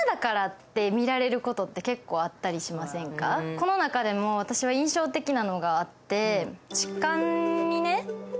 この中でも私は印象的なのがあって。